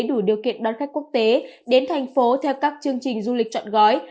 đủ điều kiện đón khách quốc tế đến thành phố theo các chương trình du lịch trọn gói